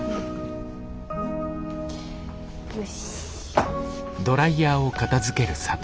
よし。